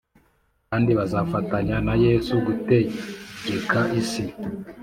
kandi bazafatanya na Yesu gutegeka isi